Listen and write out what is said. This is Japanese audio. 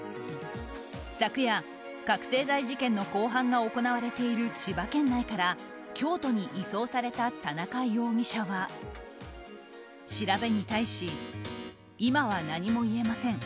昨夜、覚醒剤事件の公判が行われている千葉県内から京都に移送された田中容疑者は調べに対し今は何も言えません。